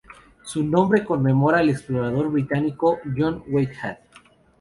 Su nombre conmemora al explorador británico John Whitehead.